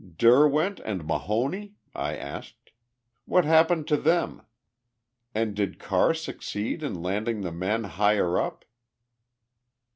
"Derwent and Mahoney?" I asked. "What happened to them? And did Carr succeed in landing the men higher up?"